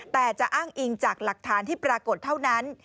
แต่จะอ้างอิงจากหลักฐานที่ปรากฏเท่านั้น